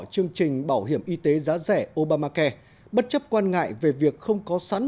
chương trình bảo hiểm y tế giá rẻ obamacai bất chấp quan ngại về việc không có sẵn